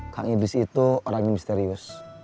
kang idris itu orangnya misterius